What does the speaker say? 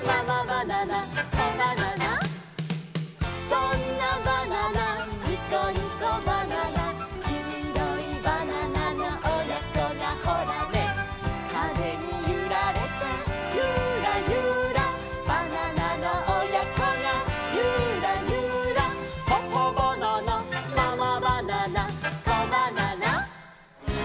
「そんなバナナニコニコバナナ」「きいろいバナナのおやこがホラネ」「かぜにゆられてユーラユラ」「バナナのおやこがユーラユラ」「パパバナナママバナナコバナナ」